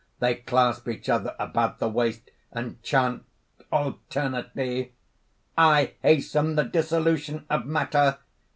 They clasp each other about the waist, and chant alternately_): "I hasten the dissolution of matter!"